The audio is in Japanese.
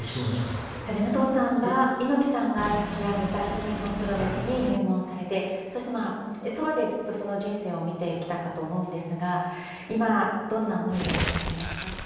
武藤さんは猪木さんが立ち上げた新日本プロレスに入門されてそして、ずっと、そばで人生を見てきたかと思うんですが今、どんな思いでいらっしゃいますか？